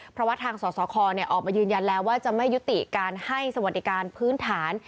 เพราะว่าทางสสคออกมายืนยันแล้วว่าจะไม่ยุติการให้สวัสดิการพื้นฐาน